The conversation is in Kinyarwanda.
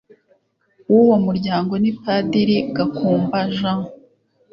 w uwo muryango ni padiri gakumba jean